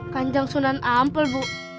kanjang sunan ampel bu